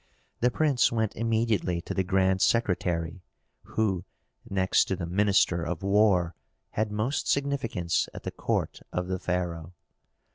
The prince went immediately to the grand secretary, who next to the minister of war had most significance at the court of the pharaoh.